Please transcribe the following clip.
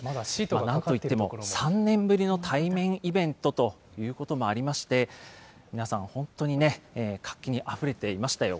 なんといっても３年ぶりの対面イベントということもありまして、皆さん、本当にね、活気にあふれていましたよ。